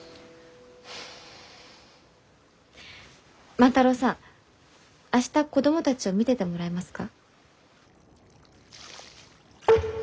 万太郎さん明日子供たちを見ててもらえますか？